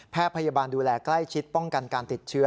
พยาบาลดูแลใกล้ชิดป้องกันการติดเชื้อ